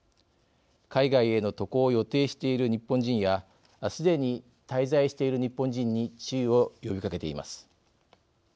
海外への渡航を予定している日本人やすでに滞在している日本人に注意を呼びかけています。